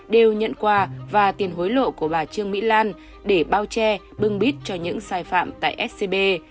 đều nhận quà và tiền hối lộ của bà trương mỹ lan để bao che bưng bít cho những sai phạm tại scb